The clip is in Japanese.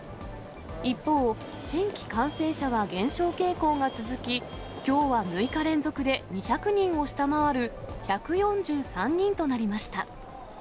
一方、新規感染者は減少傾向が続き、きょうは６日連続で２００人を下回る１４３人となりました。